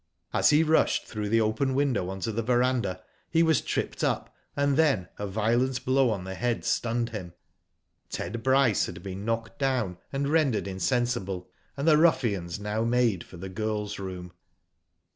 As he rushed through the open window on to the verandah, he was tripped up, and then a violent blow on the head stunned him. Ted Bryce had been knocked down, and Digitized by Google I70 WHO DID ITf rendered insensible, and the ruffians now made for the girrs room.